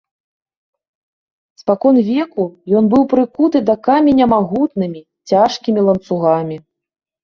Спакон веку ён быў прыкуты да каменя магутнымі, цяжкімі ланцугамі.